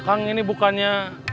akang ini bukannya